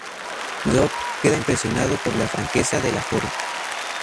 Robb queda impresionado por la franqueza de la joven.